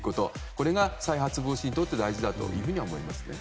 これが再発防止にとって大事だと思います。